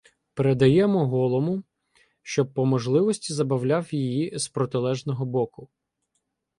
Передаємо Голому, щоб по можливості забавляв її з протилежного боку.